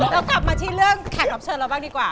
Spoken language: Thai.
เรากลับมาที่เรื่องแขกรับเชิญเราบ้างดีกว่า